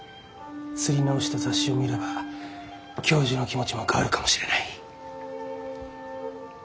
刷り直した雑誌を見れば教授の気持ちも変わるかもしれない。